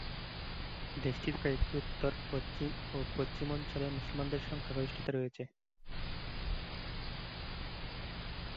দেশটির কয়েকটি উত্তর-পশ্চিম ও পশ্চিম অঞ্চলে মুসলমানদের সংখ্যাগরিষ্ঠতা রয়েছে।